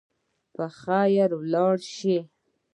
په خیر ولاړ سئ.